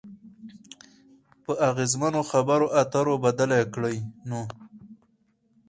په اغیزمنو خبرو اترو بدله کړئ نو